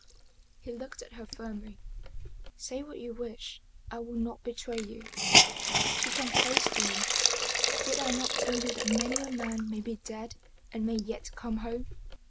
He looked at her firmly. " Say what you wish, I will not betray you." She came close to him. " Did I not tell you that many a man may be dead and may yet come home?